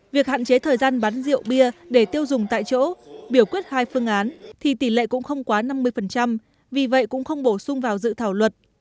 việc hạn chế thời gian bán rượu bia để tiêu dùng tại chỗ biểu quyết hai phương án thì tỷ lệ cũng không quá năm mươi vì vậy cũng không bổ sung vào dự thảo luật